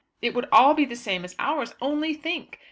It would all be the same as ours. Only think!